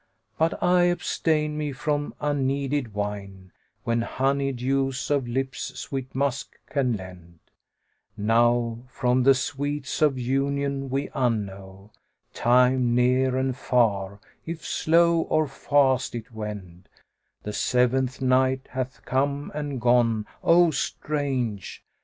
But I abstain me from unneeded wine, * When honey dews of lips sweet musk can lend: Now from the sweets of union we unknow * Time near and far, if slow or fast it wend, The seventh night hath come and gone, O strange!